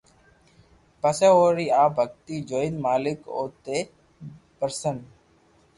پسو اوري آ ڀگتي جوئين مالڪ اوتي پرسن